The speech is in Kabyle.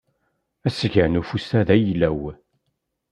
Asga n ufus-a d ayla-w.